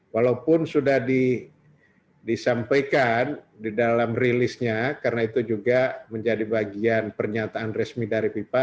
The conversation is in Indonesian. walaupun sudah disampaikan di dalam rilisnya karena itu juga menjadi bagian pernyataan resmi dari fifa